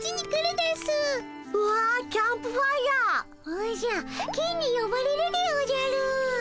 おじゃ金によばれるでおじゃる。